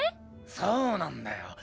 そうなんだよ。